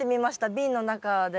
瓶の中で。